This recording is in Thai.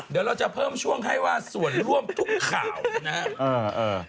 เดี๋ยวเราจะเพิ่มช่วงให้ว่าส่วนร่วมทุกข่าวนะครับ